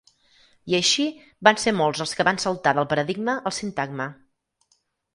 I així, van ser molts els que van saltar del paradigma al sintagma.